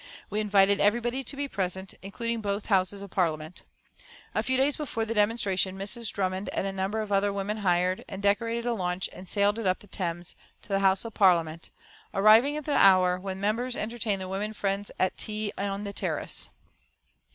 We invited everybody to be present, including both Houses of Parliament. A few days before the demonstration Mrs. Drummond and a number of other women hired and decorated a launch and sailed up the Thames to the Houses of Parliament, arriving at the hour when members entertain their women friends at tea on the terrace.